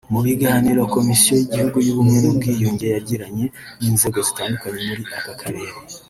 Mu biganiro Komisiyo y’Igihugu y’Ubumwe n’Ubwiyunge yagiranye n’inzego zitandukanye muri aka karere